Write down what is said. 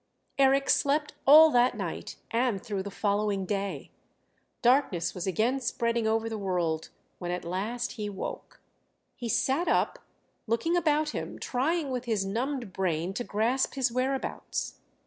Eric slept all that night and through the following day; darkness was again spreading over the world when at last he woke. He sat up, looking about him, trying with his numbed brain to grasp his whereabouts.